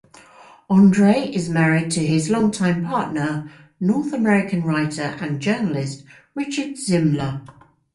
Alexandre is married to his longtime partner, North-American writer and journalist Richard Zimler.